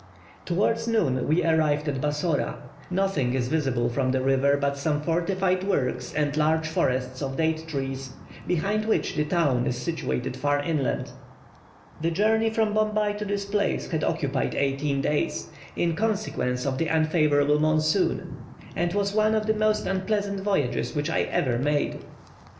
Towards noon we arrived at Bassora. Nothing is visible from the river but some fortified works and large forests of date trees, behind which the town is situated far inland. The journey from Bombay to this place had occupied eighteen days, in consequence of the unfavourable monsoon, and was one of the most unpleasant voyages which I ever made.